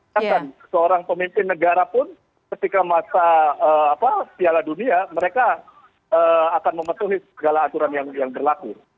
bahkan seorang pemimpin negara pun ketika masa piala dunia mereka akan memetuhi segala aturan yang berlaku